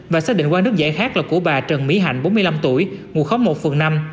và xác định qua nước giải khát là của bà trần mỹ hạnh bốn mươi năm tuổi ngụ khóm một phường năm